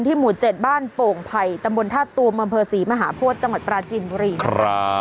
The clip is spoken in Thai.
ที่หมู่เจ็ดบ้านโป่งภัยตำบลท่าตูมมศรีมหาพวกจังหวัดปราจินบุรีนะครับ